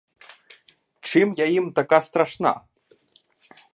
Чим я їм така страшна?